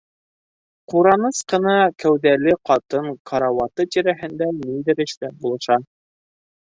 Ҡураныс ҡына кәүҙәле ҡатын карауаты тирәһендә ниҙер эшләп булаша.